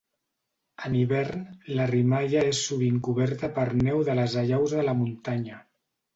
En hivern, la rimaia és sovint coberta per neu de les allaus de la muntanya.